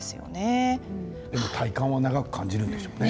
でも体感は長く感じるでしょうね。